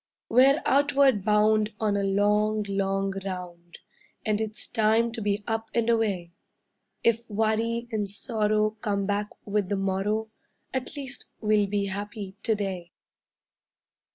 We're outward bound on a long, long round, And it's time to be up and away: If worry and sorrow come back with the morrow, At least we'll be happy to day.